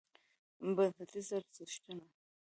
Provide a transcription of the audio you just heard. بنسټیز ارزښتونه: